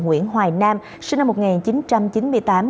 nguyễn hoài nam sinh năm một nghìn chín trăm chín mươi tám